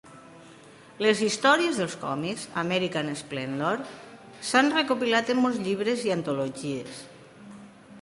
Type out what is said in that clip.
Les històries dels còmics "American Splendor" s'han recopilat en molts llibres i antologies.